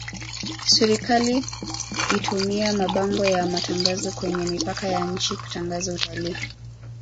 swrikali itumia mabango ya matangazo kwenye mipaka ya nchi kutangaza utalii